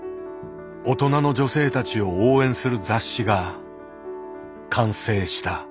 大人の女性たちを応援する雑誌が完成した。